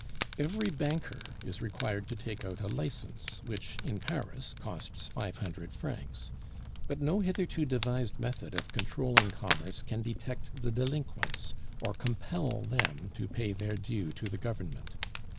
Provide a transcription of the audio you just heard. Every banker is required to take out a license which, in Paris, costs five hundred francs; but no hitherto devised method of controlling commerce can detect the delinquents, or compel them to pay their due to the Government.